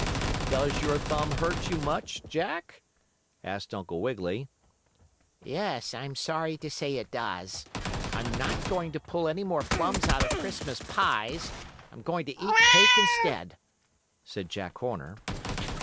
"Does your thumb hurt you much, Jack?" asked Uncle Wiggily. "Yes, I am sorry to say it does. I'm not going to pull any more plums out of Christmas pies. I'm going to eat cake instead," said Jack Horner.